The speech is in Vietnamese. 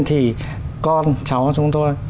thì con cháu chúng tôi